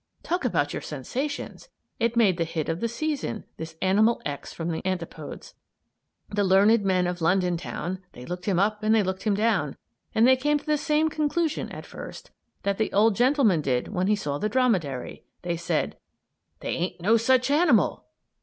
Talk about your sensations; it made the hit of the season this Animal X from the Antipodes. The learned men of London town, they looked him up and they looked him down, and they came to the same conclusion, at first, that the old gentleman did when he saw the dromedary. They said: "They ain't no such animal!"